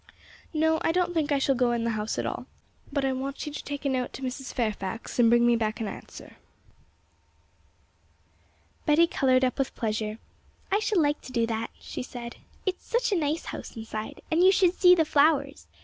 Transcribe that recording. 'No, I don't think I shall go into the house at all; but I want you to take a note to Mrs. Fairfax and bring me back an answer.' Betty coloured up with pleasure. 'I shall like to do that,' she said; 'it's such a nice house inside, and you should see the flowers!